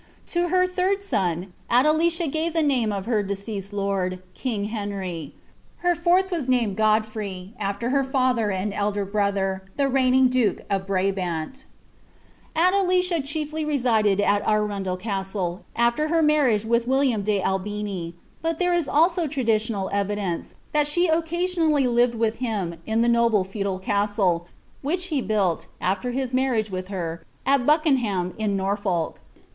To her third son, Adelicia gave the name of her deceased ry king Henry. Her fourth was named Godfrey, after her fiither and T brother, the reigning duke of Brabant idelicia chiefly resided at Arundel Castle, after her marriage with liam de Albini, but there is also traditional evidence, that she occa tally lived with him in the noble feudal castle, which he built, after marriage with her, at Buckenham in Norfolk.